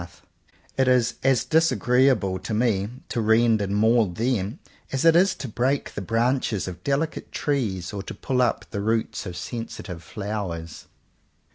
64 JOHN COWPER POWYS It is as disagreeable to me to rend and maul them, as it is to break the branches of delicate trees or to pull up the roots of sensitive flowers.